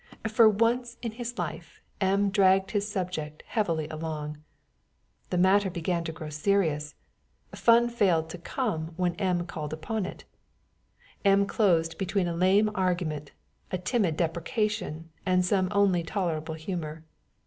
For once in his life M. dragged his subject heavily along. The matter began to grow serious, fun failed to come when M. called it up. M. closed between a lame argument, a timid deprecation, and some only tolerable humor.